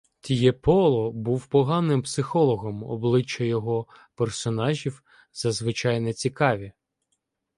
Тьєполо був поганим психологом, обличчя його персонажів зазвичай нецікаві.